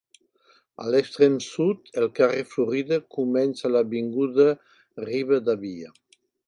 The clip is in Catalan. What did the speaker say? A l'extrem sud, el carrer Florida comença a l'avinguda Rivadavia.